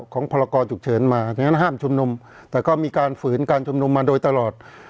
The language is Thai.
พรกรฉุกเฉินมาดังนั้นห้ามชุมนุมแต่ก็มีการฝืนการชุมนุมมาโดยตลอด